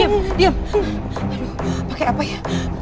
aduh pake apa ya